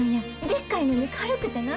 でかいのに軽くてな。